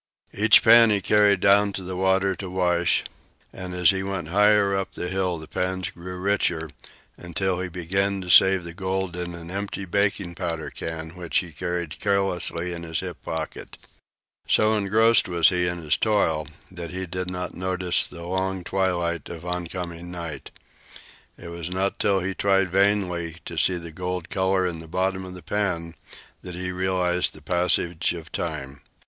Each pan he carried down to the water to wash, and as he went higher up the hill the pans grew richer, until he began to save the gold in an empty baking powder can which he carried carelessly in his hip pocket. So engrossed was he in his toil that he did not notice the long twilight of oncoming night. It was not until he tried vainly to see the gold colors in the bottom of the pan that he realized the passage of time.